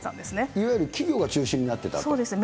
いわゆる企業が中心になってそうです。